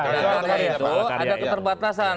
dan karya itu ada keterbatasan